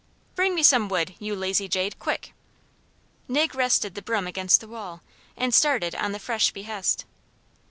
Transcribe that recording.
"Bring me some wood, you lazy jade, quick." Nig rested the broom against the wall, and started on the fresh behest.